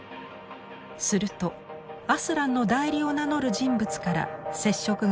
するとアスランの代理を名乗る人物から接触がありました。